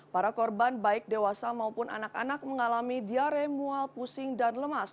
para korban baik dewasa maupun anak anak mengalami diare mual pusing dan lemas